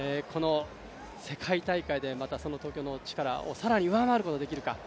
世界大会で東京の力を更に上回ることができるか。